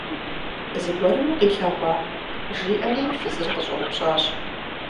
Зыгуэрым укъилъэгъуа? – жиӀэри фызыр къыщӀэупщӀащ.